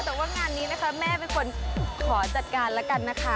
แต่ว่างานนี้นะคะแม่เป็นคนขอจัดการแล้วกันนะคะ